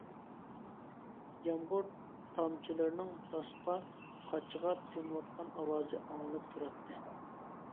يامغۇر تامچىلىرىنىڭ داسقا، قاچىغا تېمىۋاتقان ئاۋازى ئاڭلىنىپ تۇراتتى.